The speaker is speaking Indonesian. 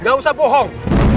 gak usah bohong